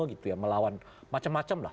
gitu ya melawan macam macam lah